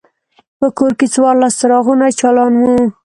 په کور کې څوارلس څراغونه چالان وو.